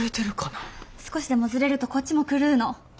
少しでもずれるとこっちも狂うの。